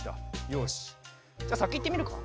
よしじゃあさきいってみるか。